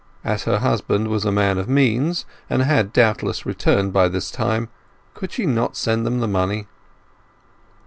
As her husband was a man of means, and had doubtless returned by this time, could she not send them the money?